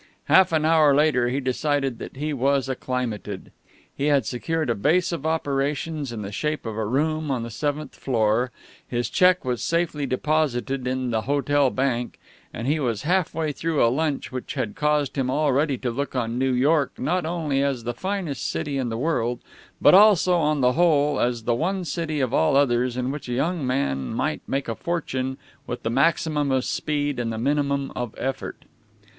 Half an hour later he decided that he was acclimated. He had secured a base of operations in the shape of a room on the seventh floor, his check was safely deposited in the hotel bank, and he was half way through a lunch which had caused him already to look on New York not only as the finest city in the world, but also, on the whole, as the one city of all others in which a young man might make a fortune with the maximum of speed and the minimum of effort.